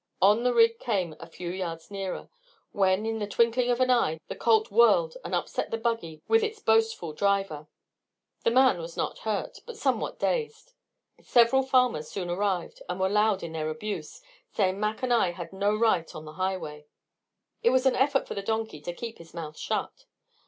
On the rig came a few yards nearer, when in the twinkling of an eye the colt whirled and upset the buggy with its boastful driver. The man was not hurt; but somewhat dazed. Several farmers soon arrived and were loud in their abuse, saying Mac and I had no right on the highway. It was an effort for the donkey to keep his mouth shut.